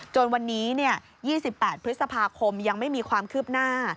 จนวันนี้๒๘พฤษภาคมยังไม่มีความคืบหน้า